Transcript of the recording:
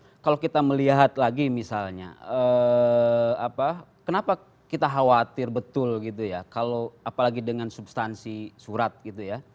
nah kalau kita melihat lagi misalnya kenapa kita khawatir betul gitu ya kalau apalagi dengan substansi surat gitu ya